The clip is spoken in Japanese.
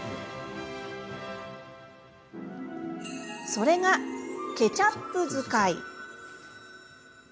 それが「ケチャップ使い」。